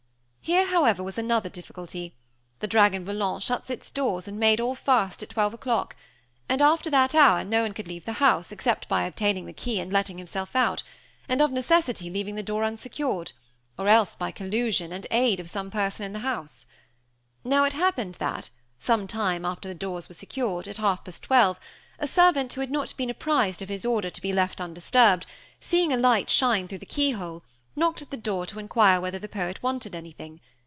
Here, however, was another difficulty: the Dragon Volant shut its doors and made all fast at twelve o'clock; after that hour no one could leave the house, except by obtaining the key and letting himself out, and of necessity leaving the door unsecured, or else by collusion and aid of some person in the house. "Now it happened that, some time after the doors were secured, at half past twelve, a servant who had not been apprised of his order to be left undisturbed, seeing a light shine through the key hole, knocked at the door to inquire whether the poet wanted anything.